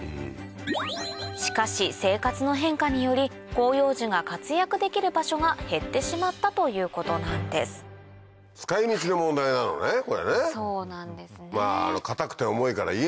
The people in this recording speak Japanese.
しかし生活の変化により広葉樹が活躍できる場所が減ってしまったということなんですそうなんですね。